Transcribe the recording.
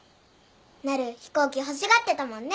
なる飛行機欲しがってたもんね。